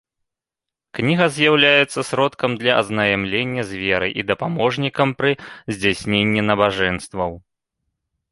Кніга з'яўляецца сродкам для азнаямлення з верай і дапаможнікам пры здзяйсненні набажэнстваў.